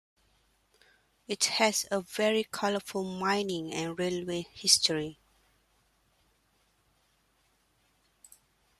It has a very colourful mining and railway history.